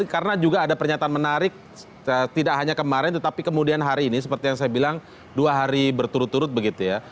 karena juga ada pernyataan menarik tidak hanya kemarin tetapi kemudian hari ini seperti yang saya bilang dua hari berturut turut begitu ya